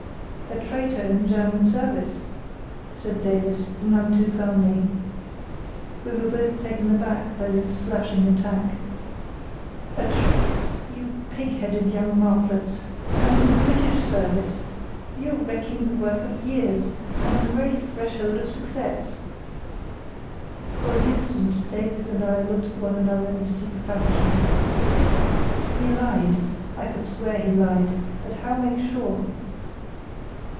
"A traitor in German service," said Davies, none too firmly. We were both taken aback by this slashing attack. "A tr——? You pig headed young marplots! I'm in British service! You're wrecking the work of years—and on the very threshold of success." For an instant Davies and I looked at one another in stupefaction. He lied—I could swear he lied; but how make sure?